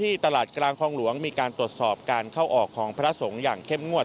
ตลาดกลางคลองหลวงมีการตรวจสอบการเข้าออกของพระสงฆ์อย่างเข้มงวด